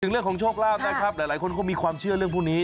เรื่องของโชคลาภนะครับหลายคนก็มีความเชื่อเรื่องพวกนี้